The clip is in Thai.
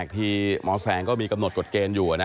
ที่หมอแสงก็มีกำหนดกฎเกณฑ์อยู่นะ